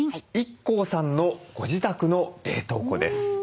ＩＫＫＯさんのご自宅の冷凍庫です。